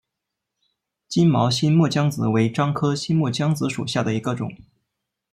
金毛新木姜子为樟科新木姜子属下的一个种。